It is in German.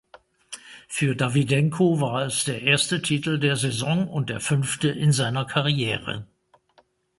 Für Dawydenko war es der erste Titel der Saison und fünfte in seiner Karriere.